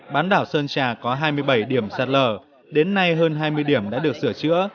bán đảo sơn trà có hai mươi bảy điểm sạt lở đến nay hơn hai mươi điểm đã được sửa chữa